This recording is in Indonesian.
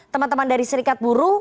teman teman dari serikat buruh